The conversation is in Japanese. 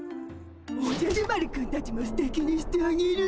おじゃる丸くんたちもすてきにしてあげる。